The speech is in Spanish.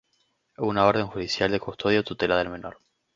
o una orden judicial de custodia o tutela del menor.